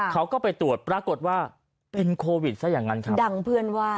เขาก็ไปตรวจปรากฏว่าเป็นโควิดซะอย่างนั้นครับ